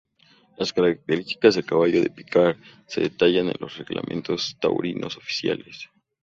Las características del caballo de picar se detallan en los Reglamentos Taurinos oficiales.